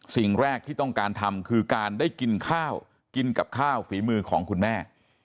สิ่งแรกที่ต้องการทำคือการได้กินข้าวกินกับข้าวฝีมือของคุณแม่